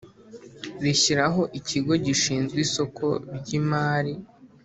rishyiraho Ikigo gishinzwe isoko ry imari